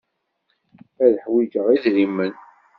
Ad ḥwijeɣ idrimen.